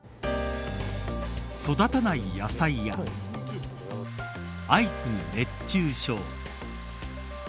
育たない野菜や相次ぐ熱中症。